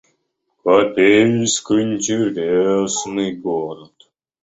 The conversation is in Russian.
Копейск — интересный город